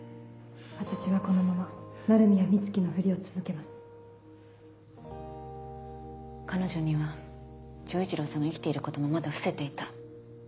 私はこのまま鳴宮美月のふりを続けま彼女には丈一郎さんが生きていることもまだ伏せていた。